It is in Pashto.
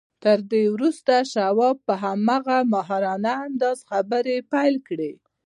تر دې وروسته شواب په هماغه ماهرانه انداز خبرې پيل کړې.